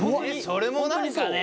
それも何かね？